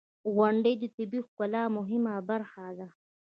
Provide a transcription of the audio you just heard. • غونډۍ د طبیعی ښکلا مهمه برخه ده.